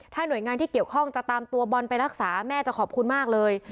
หน่วยงานที่เกี่ยวข้องจะตามตัวบอลไปรักษาแม่จะขอบคุณมากเลย